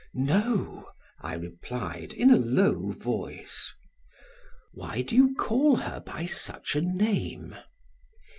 "No," I replied in a low voice. "Why do you call her by such a name?"